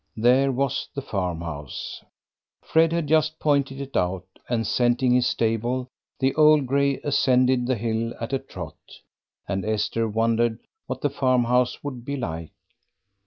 There was the farm house. Fred had just pointed it out, and scenting his stable, the old grey ascended the hill at a trot, and Esther wondered what the farm house would be like.